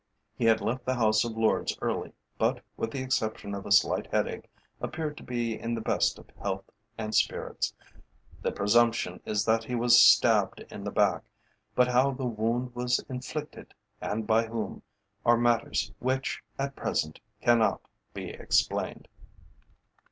He had left the House of Lords early, but, with the exception of a slight headache, appeared to be in the best of health and spirits. The presumption is that he was stabbed in the back, but how the wound was inflicted, and by whom, are matters which, at present, cannot be explained."